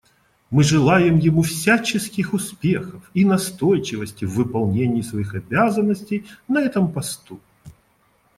Мы желаем ему всяческих успехов и настойчивости в выполнении своих обязанностей на этом посту.